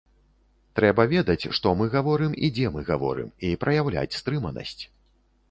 Трэба ведаць, што мы гаворым і дзе мы гаворым, і праяўляць стрыманасць.